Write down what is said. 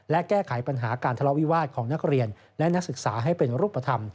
และแก้ไขปัญหาการทะเลาะวิวาสของนักเรียนและนักศึกษาให้เป็นรูปธรรม